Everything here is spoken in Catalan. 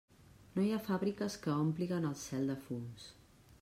No hi ha fàbriques que òmpliguen el cel de fums.